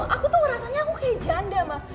aku tuh rasanya aku kayak janda ma